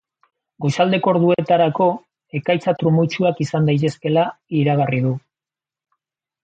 Goizaldeko orduetarako ekaitza trumoitsuak izan daitezkela iragarri du.